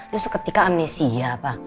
lu seketika amnesia apa